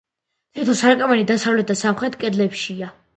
თითო სარკმელი დასავლეთ და სამხრეთ კედლებშია.